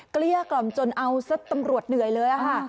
เกลี้ยกล่อมจนเอาซะตำรวจเหนื่อยเลยค่ะ